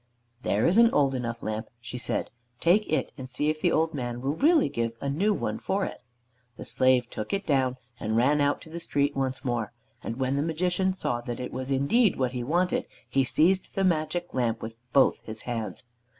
"There is an old enough lamp," she said. "Take it and see if the old man will really give a new one for it." The slave took it down and ran out to the street once more, and when the Magician saw that it was indeed what he wanted, he seized the Magic Lamp with both his hands.